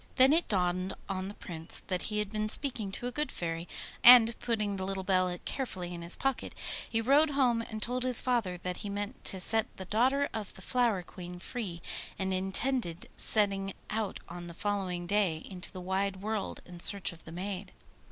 Then it dawned on the Prince that he had been speaking to a good fairy, and putting the little bell carefully in his pocket, he rode home and told his father that he meant to set the daughter of the Flower Queen free, and intended setting out on the following day into the wide world in search of the maid.